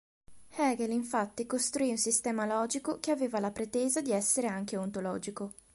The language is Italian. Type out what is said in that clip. Hegel infatti costruì un sistema Logico che aveva la pretesa di essere anche ontologico.